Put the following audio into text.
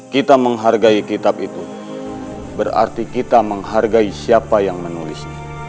kita menghargai kitab itu berarti kita menghargai siapa yang menulis